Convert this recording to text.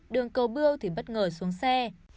đường cầu bươu thì bất ngờ xuống xe